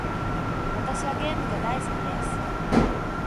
私はゲームが大好きです。